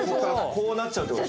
こうなっちゃうってこと？